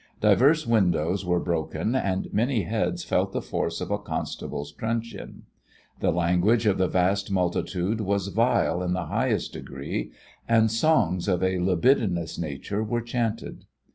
Divers windows were broken and many heads felt the force of a constable's truncheon. The language of the vast multitude was vile in the highest degree, and songs of a libidinous nature were chanted.